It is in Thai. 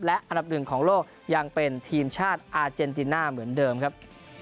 และอันดับหนึ่งของโลกยังเป็นทีมชาติอาเจนติน่าเหมือนเดิมครับ